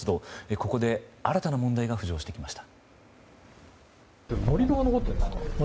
ここで新たな問題が浮上してきました。